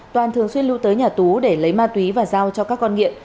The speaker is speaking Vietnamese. toàn thường xuyên lưu tới nhà tú để lấy ma túy và giao cho các con nghiện